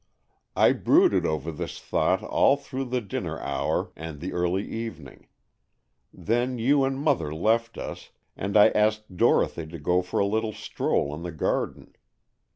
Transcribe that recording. I brooded over this thought all through the dinner hour and the early evening. Then you and mother left us, and I asked Dorothy to go for a little stroll in the garden.